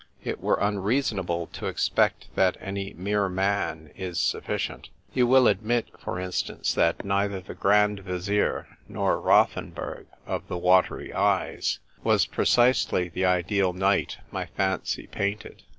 It were unreasonable to expect that any mere man is sufficient. You will admit, for instance, that neither the Grand Vizier, nor Rothenburg of the watery eyes, was precisely the ideal knight my fancy painted.